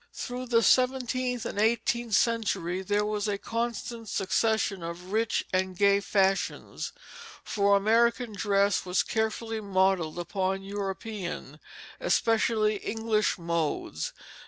Through the seventeenth and eighteenth centuries there was a constant succession of rich and gay fashions; for American dress was carefully modelled upon European, especially English modes.